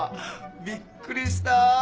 びっくりしたー！